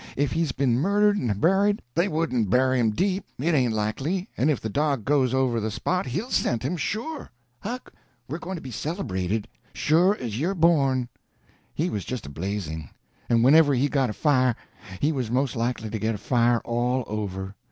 If he's been murdered and buried, they wouldn't bury him deep, it ain't likely, and if the dog goes over the spot he'll scent him, sure. Huck, we're going to be celebrated, sure as you're born!" He was just a blazing; and whenever he got afire he was most likely to get afire all over.